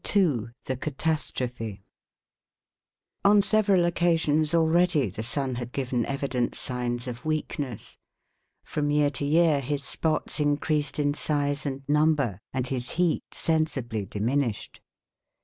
II THE CATASTROPHE On several occasions already the sun had given evident signs of weakness. From year to year his spots increased in size and number, and his heat sensibly diminished.